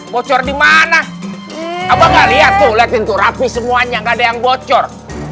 bocor dimana apa nggak lihat tuh lewin turapi semuanya nggak ada yang bocor